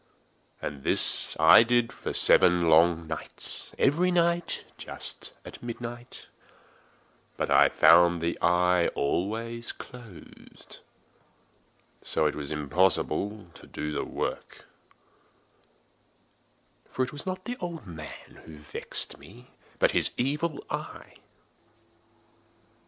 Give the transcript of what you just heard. And this I did for seven long nights—every night just at midnight—but I found the eye always closed; and so it was impossible to do the work; for it was not the old man who vexed me, but his Evil Eye.